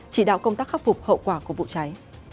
chỉ đạo công tác khắc phục hậu quả của vụ cháy